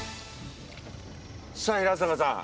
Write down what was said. さあ平坂さん